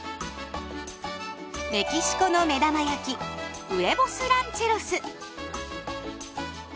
メキシコのめだま焼きウエボス・ランチェロス。